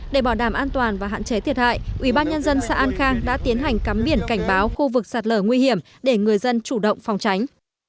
để bảo đảm an toàn và hạn chế thiệt hại ubnd xã an khang đã tiến hành cắm biển cảnh báo khu vực sạt lở nguy hiểm để người dân chủ động phòng tránh